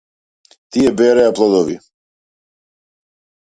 Тие береа плодови.